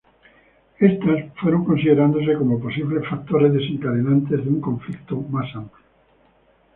Estas fueron considerándose como posibles factores desencadenantes de un conflicto más amplio.